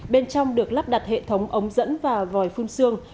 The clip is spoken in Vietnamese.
bên trong được lắp đặt hệ thống ống dẫn và vòi phun xương